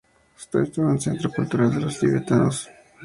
Ü-Tsang es el centro cultural de los tibetanos.